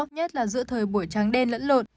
nhất là giữa thời buổi tráng đen lẫn lột